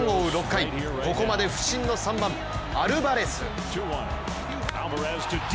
６回ここまで不振の３番・アルバレス。